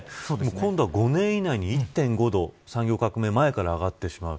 今度は５年以内に１．５度産業革命前から上がってしまう。